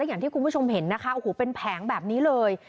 อย่างที่คุณผู้ชมเห็นนะคะโอ้โหเป็นแผงแบบนี้เลย